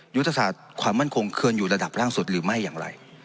ยุทธศาสตร์ความมั่นคงควรอยู่ระดับล่างสุดหรือไม่อย่างไร